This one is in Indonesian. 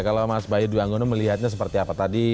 kalau mas bayu duanggono melihatnya seperti apa tadi